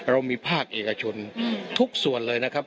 เรามีภาคเอกชนทุกส่วนเลยนะครับ